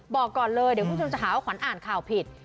บอกก่อนเลยเดี๋ยวคุณผู้ชมจะหาว่าขวัญอ่านข่าวผิด